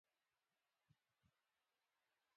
پایپ ډوله پلچکونه د کمو اوبو لپاره مناسب دي